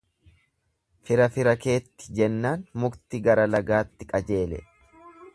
Fira fira keetti jennaan mukti gara lagaatti qajeele.